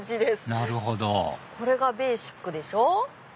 なるほどこれがベーシックでしょ。